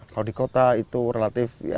kalau di kota itu relatif ya